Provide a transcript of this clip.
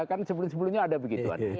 kan sebelum sebelumnya ada begituan